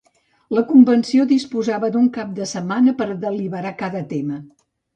La convenció disposava d’un cap de setmana per a deliberar cada tema.